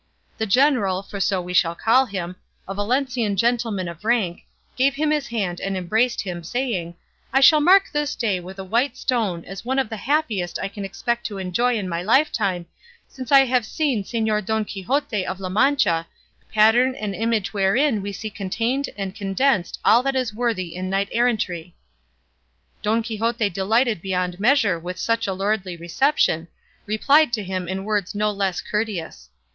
The general, for so we shall call him, a Valencian gentleman of rank, gave him his hand and embraced him, saying, "I shall mark this day with a white stone as one of the happiest I can expect to enjoy in my lifetime, since I have seen Señor Don Quixote of La Mancha, pattern and image wherein we see contained and condensed all that is worthy in knight errantry." Don Quixote delighted beyond measure with such a lordly reception, replied to him in words no less courteous.